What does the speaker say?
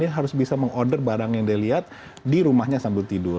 dia harus bisa meng order barang yang dia lihat di rumahnya sambil tidur